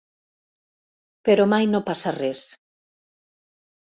Però mai no passa res.